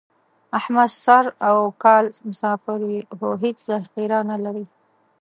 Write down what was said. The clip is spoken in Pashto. احمد سر او کال مسافر وي، خو هېڅ ذخیره نه لري.